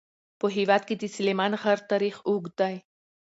په هېواد کې د سلیمان غر تاریخ اوږد دی.